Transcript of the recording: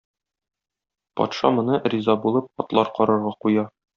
Патша моны, риза булып, атлар карарга куя.